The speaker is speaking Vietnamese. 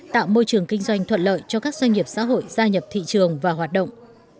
tạo môi trường kinh doanh thuận lợi cho các doanh nghiệp xã hội gia nhập thị trường và hoạt động